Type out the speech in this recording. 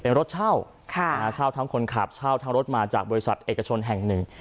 เป็นรถเช่าเช่าทั้งคนขับเช่าทั้งรถมาจากบริษัทเอกชนแห่งหนึ่ง